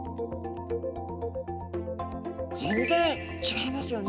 全然違いますよね。